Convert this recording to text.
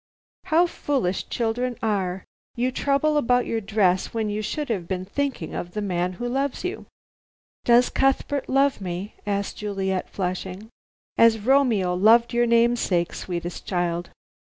"How foolish children are. You trouble about your dress when you should have been thinking of the man who loves you." "Does Cuthbert love me?" asked Juliet, flushing. "As Romeo loved your namesake, sweetest child.